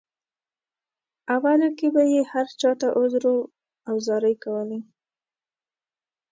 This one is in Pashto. اوله کې به یې هر چاته عذر او زارۍ کولې.